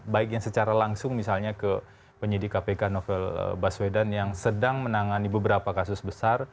baik yang secara langsung misalnya ke penyidik kpk novel baswedan yang sedang menangani beberapa kasus besar